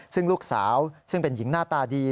ซึ่งลูกสาวซึ่งเป็นหญิงหน้าตาดี